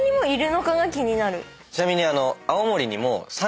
ちなみに。